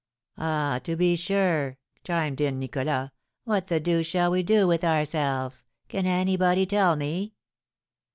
"Ah, to be sure!" chimed in Nicholas. "What the deuce shall we do with ourselves? Can anybody tell me?"